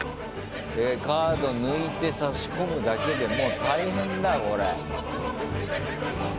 カード抜いて差し込むだけでもう大変だよこれ。